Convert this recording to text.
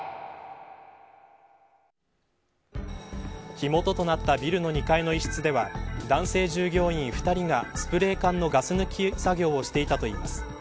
火元となったビルの２階の一室では男性従業員２人がスプレー缶のガス抜き作業をしていたといいます。